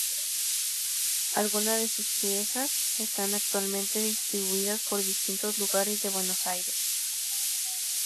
Algunas de sus piezas están actualmente distribuidas por distintos lugares de Buenos Aires.